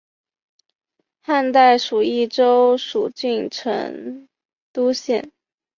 汉代属益州蜀郡成都县。